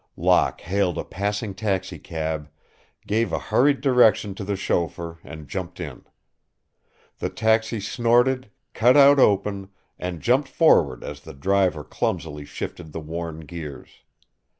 Locke hailed a passing taxicab, gave a hurried direction to the chauffeur, and jumped in. The taxi snorted, cut out open, and jumped forward as the driver clumsily shifted the worn gears.